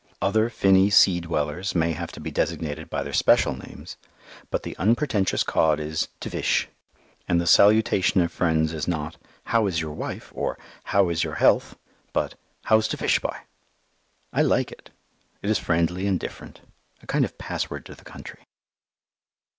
Other finny sea dwellers may have to be designated by their special names, but the unpretentious cod is "t' fish"; and the salutation of friends is not, "How is your wife?" or, "How is your health?" But, "How's t' fish, B'y?" I like it. It is friendly and different a kind of password to the country.